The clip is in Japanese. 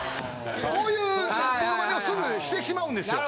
こういうモノマネをすぐしてしまうんですよ。